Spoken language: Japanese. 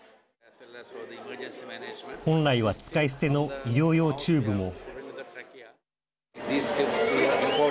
本来は使い捨ての医療用チューブも。